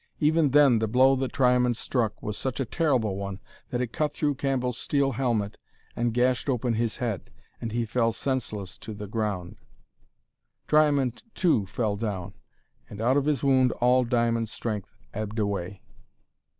Even then the blow that Triamond struck was such a terrible one, that it cut through Cambell's steel helmet and gashed open his head, and he fell senseless to the ground. Triamond, too, fell down, and out of his wound all Diamond's strength ebbed away.